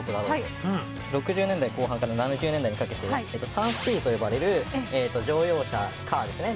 ６０年代後半から７０年代にかけて３Ｃと呼ばれる乗用車カーですね